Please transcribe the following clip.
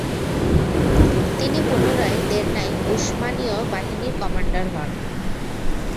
তিনি পুনরায় দেরনায় উসমানীয় বাহিনীর কমান্ডার হন।